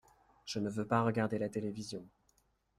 Je ne veux pas regarder la télévision.